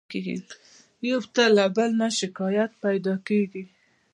يو ته له بل نه شکايت پيدا کېږي.